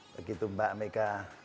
begitu mbak mega